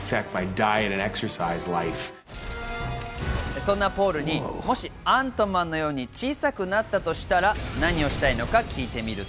そんなポールに、もしアントマンのように小さくなったとしたら、何をしたいのか聞いてみると。